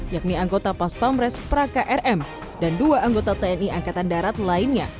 yakni anggota pas pamres prakarm dan dua anggota tni angkatan darat lainnya